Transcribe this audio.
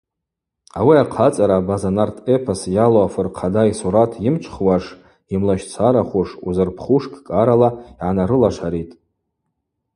Ауи ахъацӏара абаза нарт эпос йалу афырхъада йсурат йымчвхуаш, йымлащцарахуш, узырпхуш кӏкӏарала йгӏанарылашаритӏ.